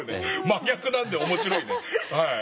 真逆なので面白いね。